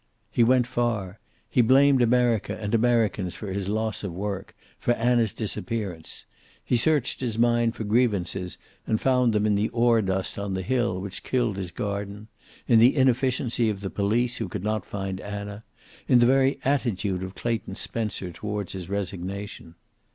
He went far. He blamed America and Americans for his loss of work, for Anna's disappearance. He searched his mind for grievances and found them in the ore dust on the hill, which killed his garden; in the inefficiency of the police, who could not find Anna; in the very attitude of Clayton Spencer toward his resignation.